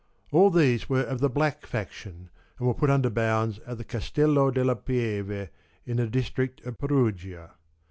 All these were of the Black faction, and were put under bounds at the Castello della Pieve in the district of Perugia.